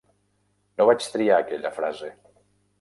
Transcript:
No vaig triar aquella frase.